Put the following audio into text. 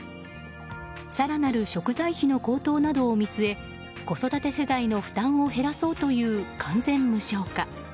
更なる食材費の高騰などを見据え子育て世代の負担を減らそうという完全無償化。